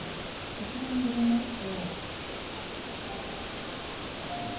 こちらに入れますと。